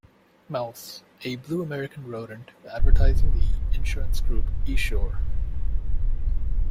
Mouse, a blue American rodent advertising the insurance group esure.